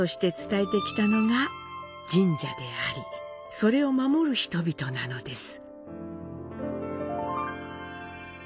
それを守る人々なのです。